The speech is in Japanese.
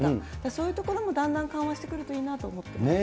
そういうところもだんだん緩和してくるといいなと思ってます。